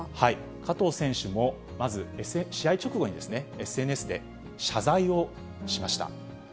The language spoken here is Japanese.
加藤選手も、まず試合直後にですね、ＳＮＳで謝罪をしました。